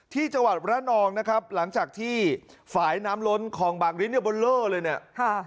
ที่จังหวัดระนองนะครับหลังจากที่ฝ่ายน้ำล้นคลองบางลิ้นเนี่ยบอลเลอร์เลยเนี่ย